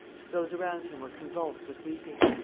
Those around him were convulsed with weeping.